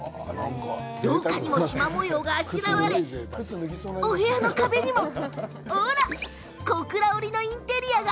廊下にも、しま柄があしらわれお部屋の壁にも小倉織のインテリアが。